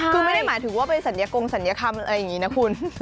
คือไม่ได้หมายถึงว่าไปสัญกงศัลยกรรมอะไรอย่างนี้นะคุณ